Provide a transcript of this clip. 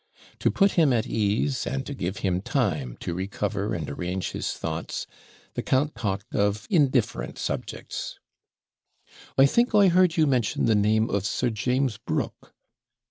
To put him at ease, and to give him time to recover and arrange his thoughts, the count talked of indifferent subjects. 'I think I heard you mention the name of Sir James Brooke.'